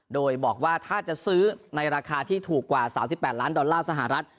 โดยบอกว่าถ้าจะซื้อในราคาที่ถูกกว่า๓๘ล้านต